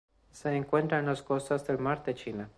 Se encuentra en las costas del Mar de la China.